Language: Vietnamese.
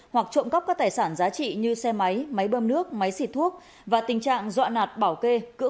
hoặc trộm cắp các tài sản giá trị như xe máy máy bơm nước máy xịt thuốc và tình trạng dọa nạt bảo kê cưỡng